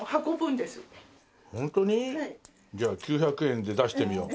じゃあ９００円で出してみよう。